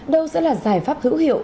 đâu sẽ là giải pháp hữu hiệu